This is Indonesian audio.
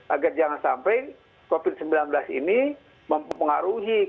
agar jangan sampai covid sembilan belas ini mempengaruhi